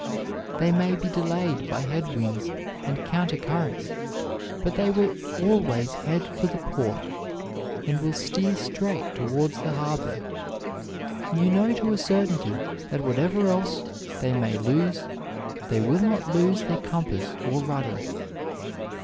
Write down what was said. They may be delayed by head winds and counter currents, but they will always head for the port and will steer straight towards the harbor. You know to a certainty that whatever else they may lose, they will not lose their compass or rudder.